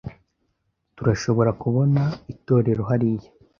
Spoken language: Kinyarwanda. Turashobora kubona itorero hariya.